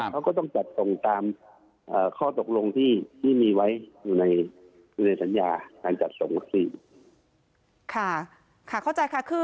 เขาก็ต้องจัดส่งตามข้อตกลงที่มีไว้ในสัญญาการจัดส่งวัคซีน